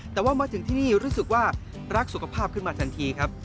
แต่ว่ามาถึงที่นี่รู้สึกว่ารักสุขภาพขึ้นมาทันทีครับ